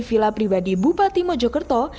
vila pribadi bupati mojokerto